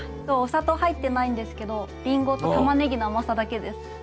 そうお砂糖入ってないんですけどりんごとたまねぎの甘さだけです。